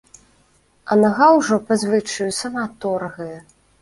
А нага ўжо па звычаю сама торгае.